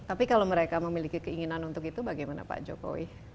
tapi kalau mereka memiliki keinginan untuk itu bagaimana pak jokowi